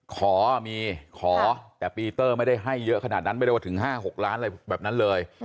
ขอมีขอแต่ปีเตอร์ไม่ได้ให้เยอะขนาดนั้นไม่ได้ว่าถึง๕๖ล้านอะไรแบบนั้นเลย